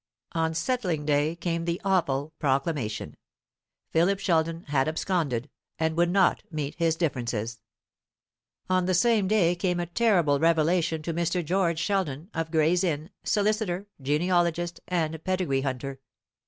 On settling day came the awful proclamation Philip Sheldon had absconded, and would not meet his differences. On the same day came a terrible revelation to Mr. George Sheldon, of Gray's Inn, solicitor, genealogist, and pedigree hunter.